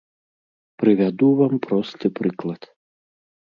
Прывяду вам просты прыклад.